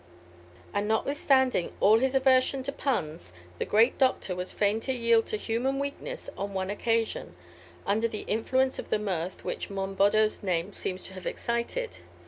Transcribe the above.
And notwithstanding all his aversion to puns, the great Doctor was fain to yield to human weakness on one occasion, under the influence of the mirth which Monboddo's name seems to have excited.